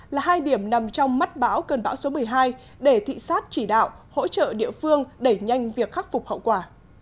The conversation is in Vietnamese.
là hai điểm nằm trong mắt bão cơn bão số một mươi hai để thị sát chỉ đạo hỗ trợ địa phương đẩy nhanh việc khắc phục hậu quả